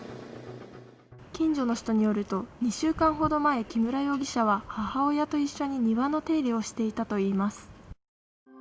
近所の人によると、２週間ほど前、木村容疑者は母親と一緒に庭の手入れをしていたといいます。